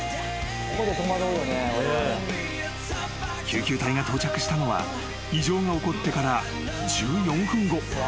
［救急隊が到着したのは異常が起こってから１４分後］